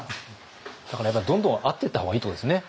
だからやっぱどんどん会っていった方がいいってことですね